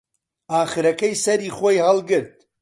ئاخرەکەی سەری خۆی هەڵگرت